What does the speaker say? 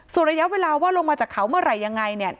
ส่วนระยะเวลาว่าลงมาจากเขาเมื่อไหร่ยังไงเนี่ย